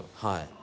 はい。